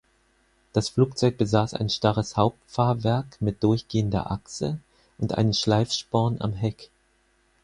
Das Flugzeug besaß ein starres Hauptfahrwerk mit durchgehender Achse und einen Schleifsporn am Heck.